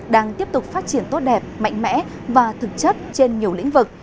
đang tiếp tục phát triển tốt đẹp mạnh mẽ và thực chất trên nhiều lĩnh vực